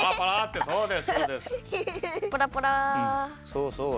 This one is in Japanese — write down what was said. そうそう。